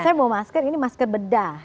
saya mau masker ini masker bedah